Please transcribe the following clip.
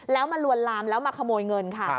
แล้วมาลวนลามแล้วมาขโมยเงินค่ะ